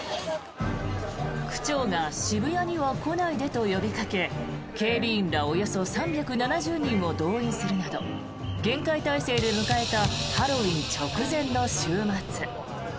区長が渋谷には来ないでと呼びかけ警備員らおよそ３７０人を動員するなど厳戒態勢で迎えたハロウィーン直前の週末。